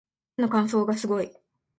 手の乾燥がすごい